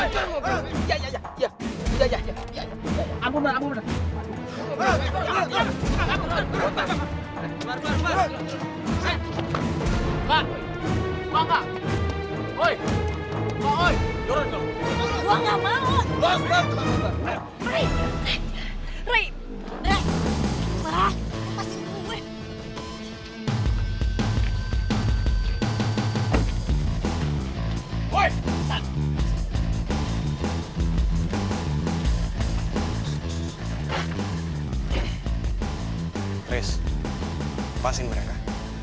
chris pasin mereka